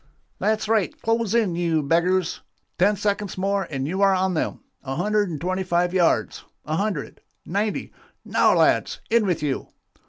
'That's right, close in, you beggars! Ten seconds more and you are on them! A hundred and twenty five yards a hundred ninety now, lads, in with you.